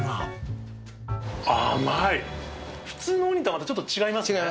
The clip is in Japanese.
普通のウニとはまたちょっと違いますね。